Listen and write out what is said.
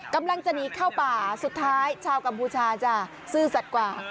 กำลังจะหนีเข้าป่าสุดท้ายชาวกัมพูชาจะซื่อสัตว์กว่า